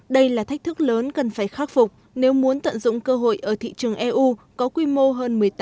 đây là thách thức lớn cần phải khắc phục nếu muốn tận dụng cơ hội ở thị trường eu có quy mô hơn một mươi tám tỷ usd